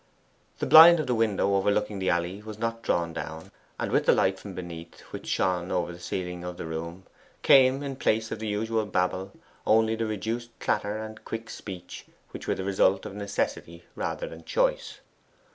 The blind of the window overlooking the alley was not drawn down; and with the light from beneath, which shone over the ceiling of the room, came, in place of the usual babble, only the reduced clatter and quick speech which were the result of necessity rather than choice.